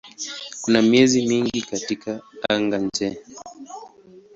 Kuna miezi mingi katika anga-nje.